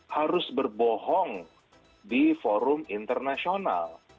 harus berbohong di forum internasional